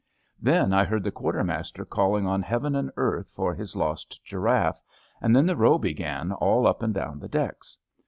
Then I heard the quar termaster calling on heaven and earth for his lost giraffe, and then the row began all up and down the decks.